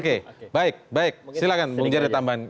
oke baik silahkan mungjir ada tambahan